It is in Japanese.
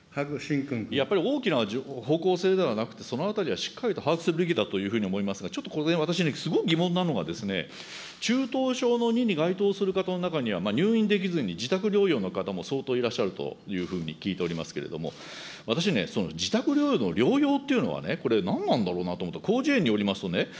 やっぱり大きな方向性ではなくて、そのあたりはしっかりと把握するべきだというふうに思いますが、ちょっとここで、私、すごい疑問なのが、中等症の２に該当する方の中には、入院できずに自宅療養の方も相当いらっしゃるというふうに聞いておりますけれども、私ね、その自宅療養の療養というのは、これ、何なんだろうなと思って。